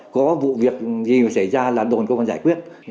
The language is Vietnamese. có vụ việc gì mà xảy ra là đồn công an giải quyết